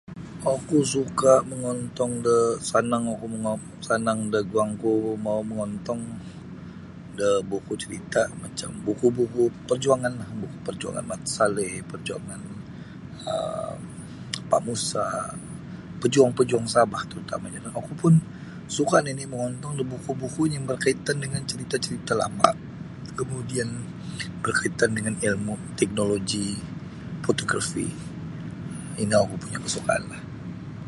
Oku suka mongontong da sanang oku sanang da guangku mau mongontong da buku carita macam buku buku perjuangan Mat Salleh perjuangan Pak Musa pejuang-pejuang ulun Sabah terutamanyo. Oku pun suka nini mongontong da buku-buku yang berkaitan dengan cara-cara lama kemudian berkaitan dengan ilmu teknoloji kemahiran fotografi ino oku punya kesukaanlah.